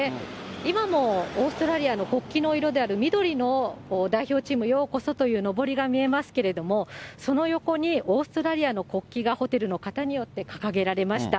今もオーストラリアの国旗の色である緑の、代表チームようこそというのぼりが見えますけれども、その横に、オーストラリアの国旗がホテルの方によって掲げられました。